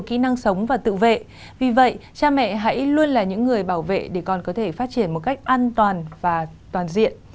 kỹ năng sống và tự vệ vì vậy cha mẹ hãy luôn là những người bảo vệ để con có thể phát triển một cách an toàn và toàn diện